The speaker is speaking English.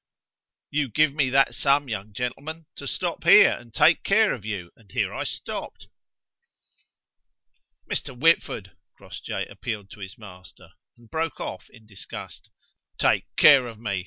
"You give me that sum, young gentleman, to stop here and take care of you, and here I stopped." "Mr. Whitford!" Crossjay appealed to his master, and broke of in disgust. "Take care of me!